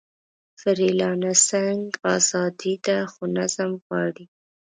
فریلانسنګ ازادي ده، خو نظم غواړي.